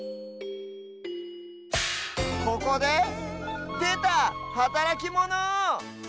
ここででたはたらきモノ！